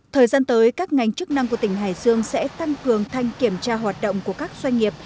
thời gian tới các ngành chức năng của tỉnh hải dương sẽ tăng cường thanh kiểm tra hoạt động của các doanh nghiệp